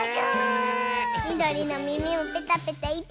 みどりのみみもペタペタいっぱい！